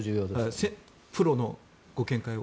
プロのご見解を。